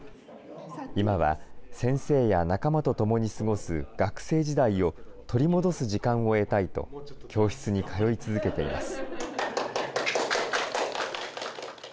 今は、先生や仲間と共に過ごす学生時代を取り戻す時間を得たいと、教室に通い続けています。